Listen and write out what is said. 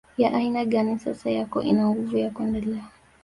ya aina gani sasa yako ina nguvu ya kuendelea